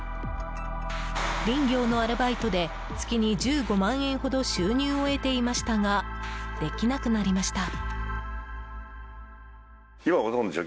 林業のアルバイトで月に１５万円ほど収入を得ていましたができなくなりました。